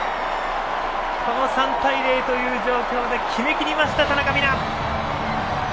３対０という状況で決めきりました、田中美南！